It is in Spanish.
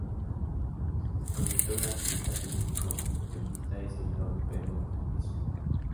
Se convirtió en un activista político independentista y seguidor de Pedro Albizu.